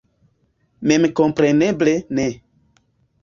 Memkompreneble ne.